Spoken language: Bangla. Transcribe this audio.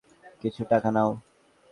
কিছু টাকা নাও।